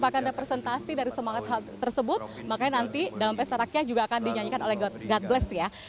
dan representasi dari semangat tersebut makanya nanti dalam pesta rakyat juga akan dinyanyikan oleh god bersama